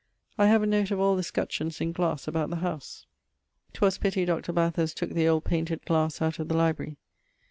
I have a note of all the scutcheons in glasse about the house. 'Twas pitty Dr. Bathurst tooke the old painted glasse out of the library.